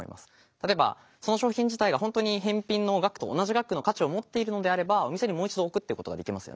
例えばその商品自体が本当に返品の額と同じ額の価値を持っているのであればお店にもう一度置くっていうことができますよね。